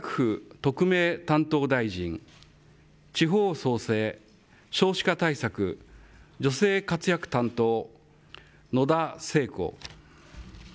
特命担当大臣、地方創生・少子化対策、女性活躍担当、野田聖子。